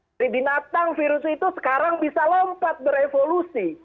jadi binatang virus itu sekarang bisa lompat berevolusi